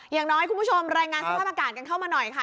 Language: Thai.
อย่างน้อยคุณผู้ชมรายงานสภาพอากาศกันเข้ามาหน่อยค่ะ